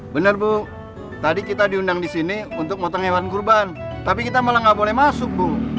benar bu tadi kita diundang di sini untuk motong hewan kurban tapi kita malah nggak boleh masuk bu